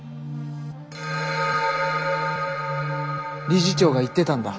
理事長が言ってたんだ。